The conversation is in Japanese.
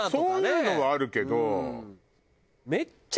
そういうのはあるけど。